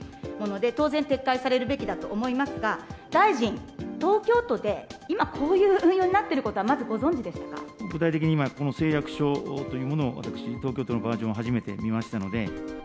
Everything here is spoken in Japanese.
当然撤回されるべきだと思いますが、大臣、東京都で今、こういう運用になっていることは、まずご具体的に今、この誓約書というものを私、東京都のバージョンを初めて見ましたので。